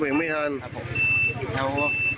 เมฆไม่ทันเวียงนะครับครับผมอ๋อเมฆไม่ทัน